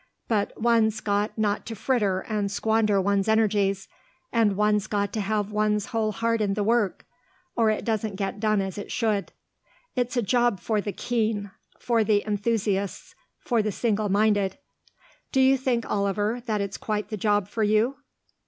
But one's got not to fritter and squander one's energies. And one's got to have one's whole heart in the work, or it doesn't get done as it should. It's a job for the keen; for the enthusiasts; for the single minded. Do you think, Oliver, that it's quite the job for you?"